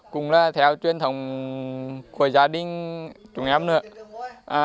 cũng là theo truyền thống của gia đình chúng em nữa